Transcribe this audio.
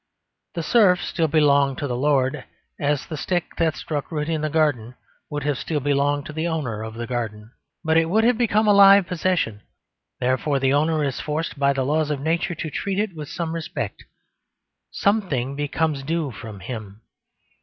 The serf still belonged to the lord, as the stick that struck root in the garden would have still belonged to the owner of the garden; but it would have become a live possession. Therefore the owner is forced, by the laws of nature, to treat it with some respect; something becomes due from him.